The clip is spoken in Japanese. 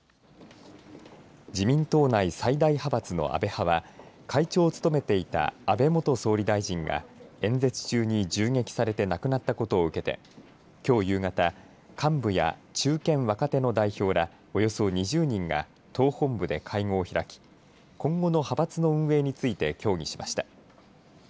自民党内最大派閥の安倍派は会長を務めていた安倍元総理大臣が演説中に銃撃されて亡くなったことを受けてきょう夕方幹部や中堅、若手の代表らおよそ２０人が党本部で会合を開き今後の派閥の運営について協議しました。